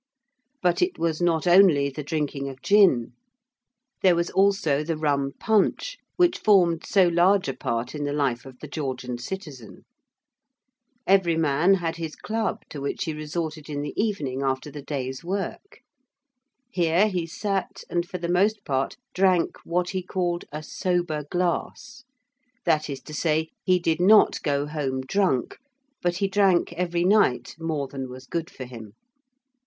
But it was not only the drinking of gin: there was also the rum punch which formed so large a part in the life of the Georgian citizen. Every man had his club to which he resorted in the evening after the day's work. Here he sat and for the most part drank what he called a sober glass: that is to say, he did not go home drunk, but he drank every night more than was good for him.